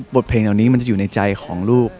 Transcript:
บทเพลงเหล่านี้มันจะอยู่ในใจของลูก